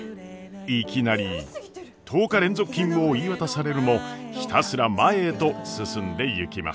いきなり１０日連続勤務を言い渡されるもひたすら前へと進んでいきます。